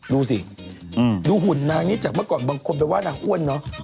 ดูสิดูหุ่นนางนี้จากเมื่อก่อนบางคนไปว่านางอ้วนเนอะ